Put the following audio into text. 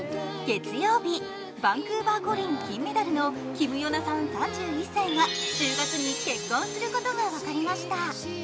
月曜日、バンクーバー五輪金メダルのキム・ヨナさん３１歳が１０月に結婚することが分かりました。